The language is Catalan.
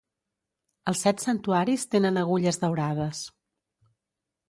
Els set santuaris tenen agulles daurades.